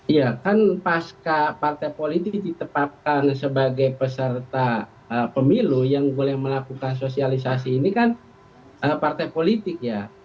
iya kan pas partai politik ditetapkan sebagai peserta pemilu yang boleh melakukan sosialisasi ini kan partai politik ya